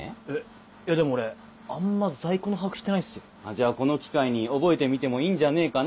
じゃあこの機会に覚えてみてもいいんじゃねえかな？